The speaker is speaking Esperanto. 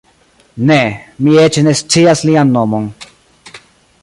Ne; mi eĉ ne scias lian nomon.